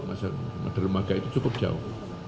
madurmaga itu cukup jauh